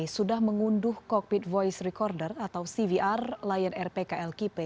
sudah mengunduh cockpit voice recorder atau cvr lion air pkl kipe